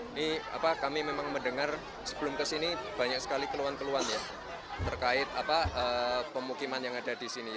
ini kami memang mendengar sebelum kesini banyak sekali keluhan keluhan ya terkait pemukiman yang ada di sini